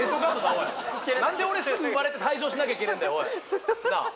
おいなんで俺すぐ生まれて退場しなきゃいけねえんだよお